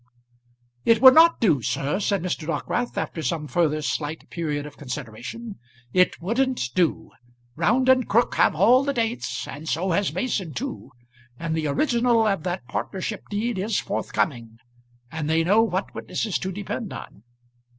"It would not do, sir," said Mr. Dockwrath, after some further slight period of consideration. "It wouldn't do. Round and Crook have all the dates, and so has Mason too. And the original of that partnership deed is forthcoming; and they know what witnesses to depend on.